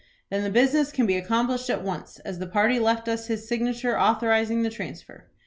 "Then the business can be accomplished at once, as the party left us his signature, authorizing the transfer."